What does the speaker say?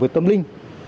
với tâm linh